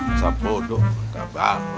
masa bodoh gak bakal